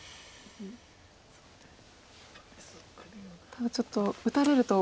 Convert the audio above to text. ただちょっと打たれると。